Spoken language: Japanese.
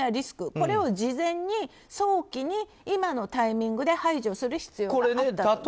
これを事前に早期に今のタイミングで排除する必要があったと。